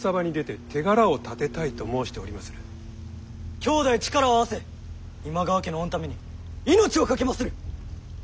兄弟力を合わせ今川家の御為に命を懸けまする！